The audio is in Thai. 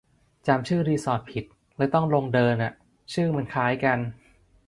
จำชื่อรีสอร์ทผิด เลยต้องลงเดินอ่ะ ชื่อมันคล้ายกัน